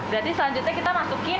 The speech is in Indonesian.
berarti selanjutnya kita masukkan